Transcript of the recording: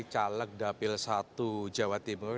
caleg dapil satu jawa timur